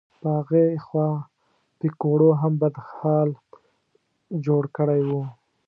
په هغې خوا پیکوړو هم بد حال جوړ کړی و.